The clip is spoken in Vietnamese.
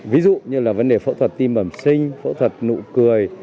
ví dụ như là vấn đề phẫu thuật tim bẩm sinh phẫu thuật nụ cười